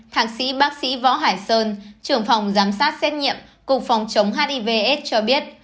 thạc sĩ bác sĩ võ hải sơn trưởng phòng giám sát xét nghiệm cục phòng chống hiv aids cho biết